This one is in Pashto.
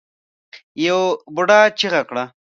يوه بوډا چيغه کړه.